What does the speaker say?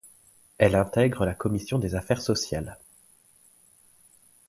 Elle intègre la commission des Affaires sociales.